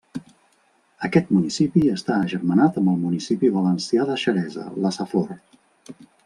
Aquest municipi està agermanat amb el municipi valencià de Xeresa -la Safor-.